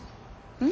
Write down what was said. うん。